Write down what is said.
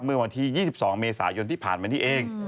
เมื่อวันที่๒๒เมษายนที่ผ่านมานี่เอง